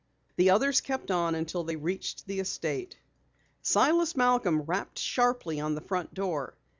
The others kept on until they reached the estate. Silas Malcom rapped sharply on the front door.